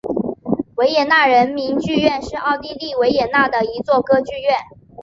维也纳人民剧院是奥地利维也纳的一座歌剧院。